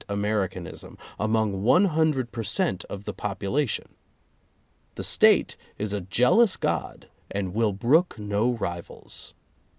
Americanism, among one hundred per cent, of the population. The State is a jealous God and will brook no rivals.